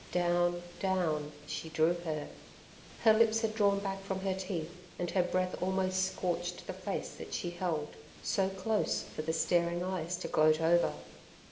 Down, down she drew her. Her lips had drawn back from her teeth, and her breath almost scorched the face that she held so close for the staring eyes to gloat over.